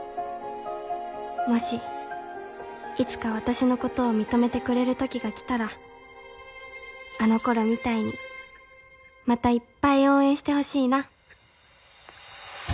もしいつか私の事を認めてくれる時が来たらあの頃みたいにまたいっぱい応援してほしいな」。